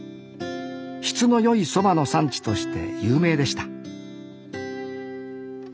質の良いそばの産地として有名でした